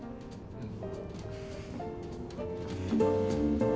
うん